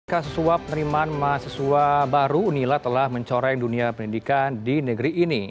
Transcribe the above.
kasus suap penerimaan mahasiswa baru unila telah mencoreng dunia pendidikan di negeri ini